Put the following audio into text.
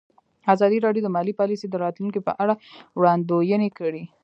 ازادي راډیو د مالي پالیسي د راتلونکې په اړه وړاندوینې کړې.